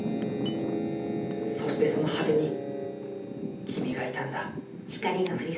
そしてその果てに君がいたんだ